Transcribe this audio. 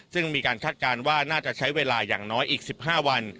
ซึ่งมีการคาดการณ์ว่าน่าจะใช้เวลาอย่างน้อยอีก๑๕วัน